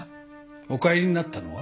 お帰りになったのは？